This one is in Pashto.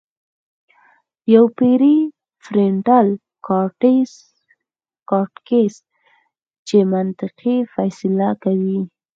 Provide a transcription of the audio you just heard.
يوه پري فرنټل کارټيکس چې منطقي فېصلې کوي